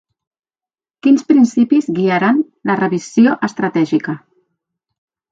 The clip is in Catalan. Quins principis guiaran la revisió estratègica?